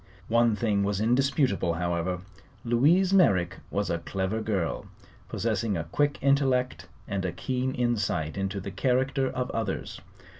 One thing was indisputable, however: Louise Merrick was a clever girl, possessing a quick intellect and a keen insight into the character of others.